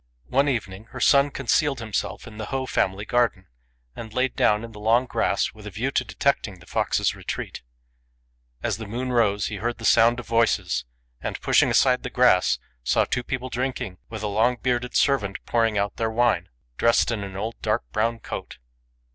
One evening her son concealed himself in the Ho family garden, and lay down in the long grass with a view to detecting the fox's retreat. As the moon rose he heard the sound of voices, and, pushing aside the grass, saw two people drinking, with a long bearded servant pouring out their wine, 88 STRANGE STORIES dressed in an old dark brown coat.